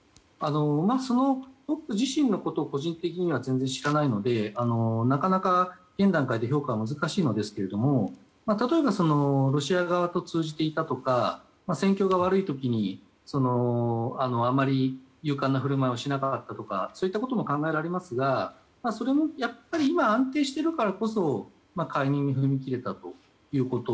そのトップ自身のことを僕は個人的には全然知らないのでなかなか、現段階で評価は難しいのですけども例えば、ロシア側と通じていたとか戦況が悪い時にあまり勇敢な振る舞いをしなかったとかそういったことも考えられますが今、安定しているからこそ解任に踏み切れたということ。